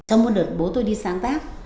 trong một đợt bố tôi đi sáng tác